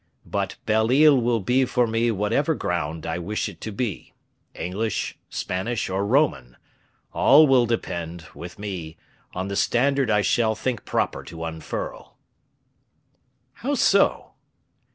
But Belle Isle will be for me whatever ground I wish it to be, English, Spanish, or Roman; all will depend, with me, on the standard I shall think proper to unfurl." "How so?"